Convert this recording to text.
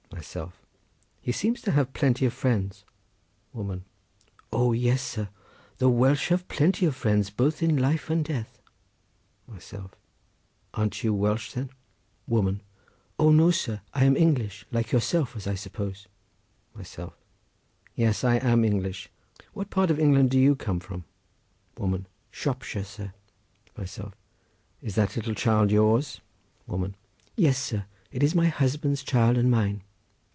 Myself.—He seems to have plenty of friends. Woman.—O yes, sir, the Welsh have plenty of friends both in life and death. Myself.—An't you Welsh, then? Woman.—O no, sir, I am English, like yourself, as I suppose. Myself.—Yes, I am English. What part of England do you come from? Woman.—Shropshire, sir. Myself.—Is that little child yours? Woman.—Yes, sir, it is my husband's child and mine.